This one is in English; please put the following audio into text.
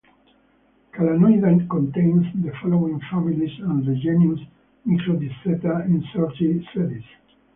Calanoida contains the following families, and the genus "Microdisseta", "incertae sedis".